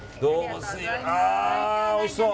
おいしそう。